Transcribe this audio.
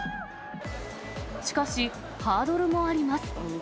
しかし、ハードルもあります。